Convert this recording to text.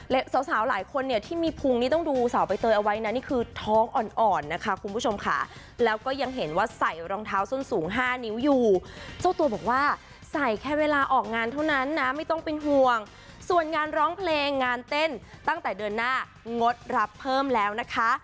สาวสาวหลายคนเนี่ยที่มีพุงนี่ต้องดูสาวใบเตยเอาไว้นะนี่คือท้องอ่อนอ่อนนะคะคุณผู้ชมค่ะแล้วก็ยังเห็นว่าใส่รองเท้าส้นสูงห้านิ้วอยู่เจ้าตัวบอกว่าใส่แค่เวลาออกงานเท่านั้นนะไม่ต้องเป็นห่วงส่วนงานร้องเพลงงานเต้นตั้งแต่เดือนหน้างดรับเพิ่มแล้วนะคะ